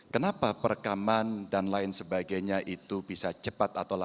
kenapa perekaman dan lain sebagainya itu bisa cepat atau lancar